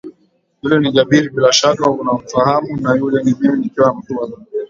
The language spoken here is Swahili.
yule ni Jabir bila shaka unamfahamu na yule ni mimi nikiwa mtu wa maana